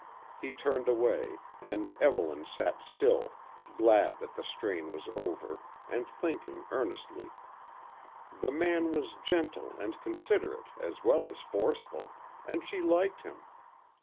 He turned away, and Evelyn sat still, glad that the strain was over, and thinking earnestly. The man was gentle and considerate as well as forceful, and she liked him.